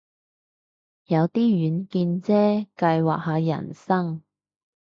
有啲遠見啫，計劃下人生